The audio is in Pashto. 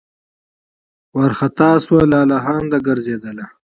وارخطا سوه لالهانده ګرځېدله